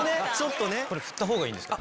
振ったほうがいいですか？